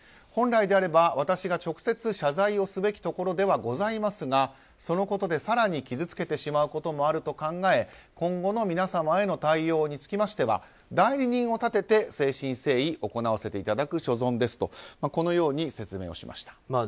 本来であれば私が直接謝罪をすべきところではございますがそのことで更に傷つけてしまうこともあると考え今後の皆様への対応につきましては代理人を立てて誠心誠意行わせていただく所存ですとこのように説明をしました。